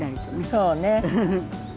そうね。